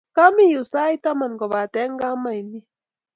Kamii yu sait tamat kopate kemaimi.